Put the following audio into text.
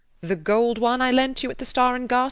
The gold one I lent you at the Star and Garter.